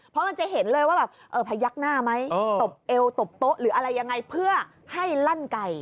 เพราะมันจะเห็นเลยว่าแบบพยักหน้าไหมตบเอวตบโต๊ะหรืออะไรยังไงเพื่อให้ลั่นไก่